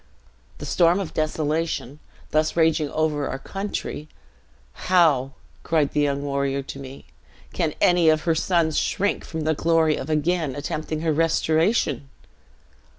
'The storm of desolation, thus raging over our country; how,' cried the young warrior to me, 'can any of her sons shrink from the glory of again attempting her restoration?'